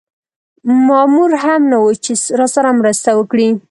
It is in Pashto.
مامور هم نه و چې راسره مرسته وکړي.